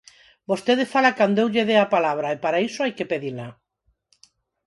Vostede fala cando eu lle dea a palabra, e para iso hai que pedila.